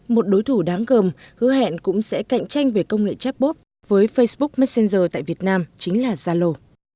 một đối thủ đáng gồm hứa hẹn cũng sẽ cạnh tranh về công nghệ chatbot với facebook messenger tại việt nam chính là zalo